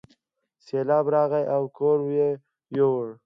سیلاب راغی او کور یې یووړ.